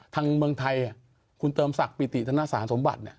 เมืองไทยคุณเติมศักดิ์ปิติธนสารสมบัติ